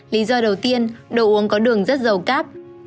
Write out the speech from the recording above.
lý do đầu tiên đồ uống có đường rất giàu cáp